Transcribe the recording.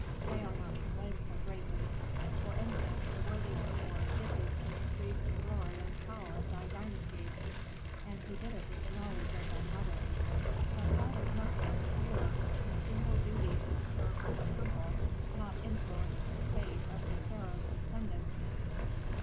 "They are not to blame so greatly. For instance, the worthy Herhor did this to increase the glory and power of thy dynasty. And he did it with the knowledge of thy mother." "But why does Mefres interfere? His single duty is to care for the temple, not influence the fate of the pharaoh's descendants."